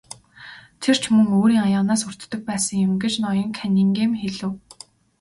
Тэр ч мөн өөрийн аяганаас хүртдэг байсан юм гэж ноён Каннингем хэлэв.